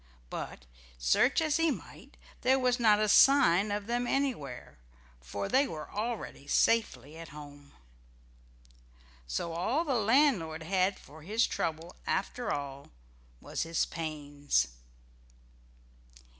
But search as he might there was not a sign of them anywhere, for they were already safely home again. So all the landlord had for his trouble after all, was his pains.